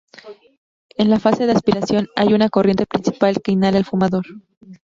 En la fase de aspiración hay una corriente principal que inhala el fumador.